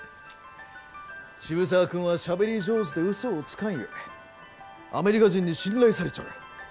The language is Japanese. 渋沢君はしゃべり上手でうそをつかんゆえアメリカ人に信頼されちょる。